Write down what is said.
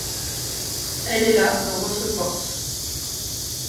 Elle est là dans votre porte.